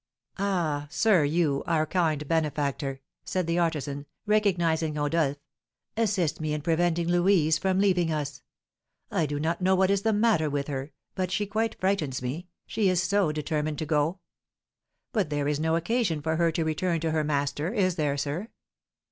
"Ah, sir, you, our kind benefactor!" said the artisan, recognising Rodolph, "assist me in preventing Louise from leaving us. I do not know what is the matter with her, but she quite frightens me, she is so determined to go. Now there is no occasion for her to return to her master, is there, sir?